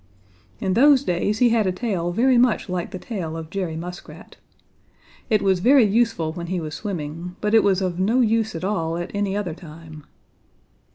In those days he had a tail very much like the tail of Jerry Muskrat. It was very useful when he was swimming, but it was of no use at all at any other time.